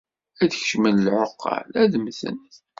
Ad t-kecmen! Lɛeqqal ad mmten.